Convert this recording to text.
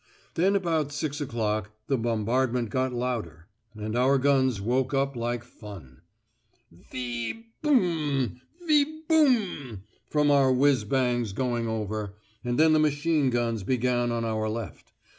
Then about six o'clock the bombardment got louder, and our guns woke up like fun. 'Vee bm ... vee bm' from our whizz bangs going over, and then the machine guns began on our left.